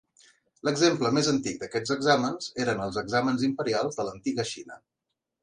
L'exemple més antic d'aquests exàmens eren els exàmens imperials de l'antiga Xina.